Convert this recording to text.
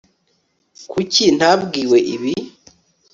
Kuki ntabwiwe ibi